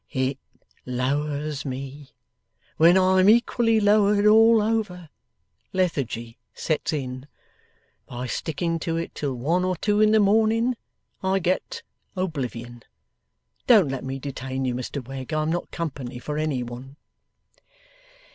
'It lowers me. When I'm equally lowered all over, lethargy sets in. By sticking to it till one or two in the morning, I get oblivion. Don't let me detain you, Mr Wegg. I'm not company for any one.